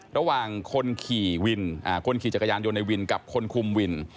ระหว่างคนขี่วินคนขี่จักรยานยนต์ในวินกับคนคุมวิน